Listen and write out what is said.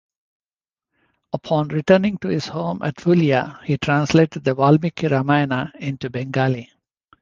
Upon returning to his home at Phulia, he translated the Valmiki "Ramayana" into Bengali.